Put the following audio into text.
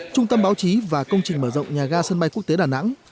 trung tâm báo chí và công trình mở rộng nhà ga sân bay quốc tế đà nẵng